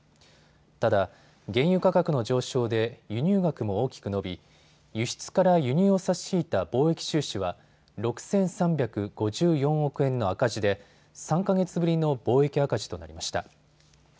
ただ、原油価格の上昇で輸入額も大きく伸び輸出から輸入を差し引いた貿易収支は６３５４億円の赤字で３か月ぶりの貿易赤字となりました。